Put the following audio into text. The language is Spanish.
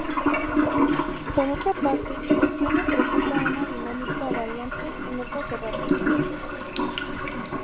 Por otra parte, el piano presenta una dinámica variante y notas erráticas.